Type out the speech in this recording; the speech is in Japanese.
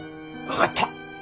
分かった。